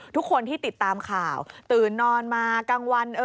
ทุกคนที่ติดตามข่าวตื่นนอนมากลางวัน